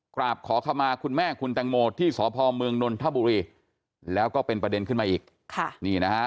กราบขอเข้ามาคุณแม่คุณแตงโมที่สพเมืองนนทบุรีแล้วก็เป็นประเด็นขึ้นมาอีกค่ะนี่นะฮะ